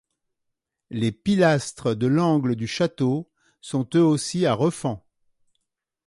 Les pilastres de l’angle du château sont eux aussi à refends.